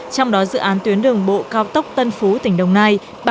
trong đó dự án tuyến đường bộ cao tốc tân phú tỉnh đồng nai